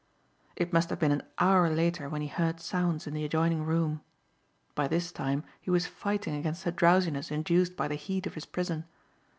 It must have been an hour later when he heard sounds in the adjoining room. By this time he was fighting against the drowsiness induced by the heat of his prison.